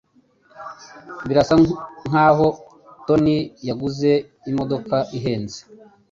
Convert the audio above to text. Birasa nkaho Tony yaguze imodoka ihenze.